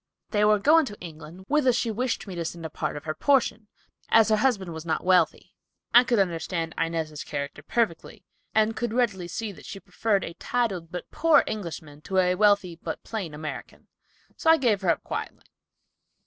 They were going to England, whither she wished me to send a part of her portion, as her husband was not wealthy. I could understand Inez's character perfectly, and could readily see that she preferred a titled but poor Englishman to a wealthy, but plain American, so I gave her up quietly."